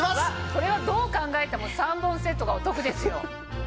これはどう考えても３本セットがお得ですよ！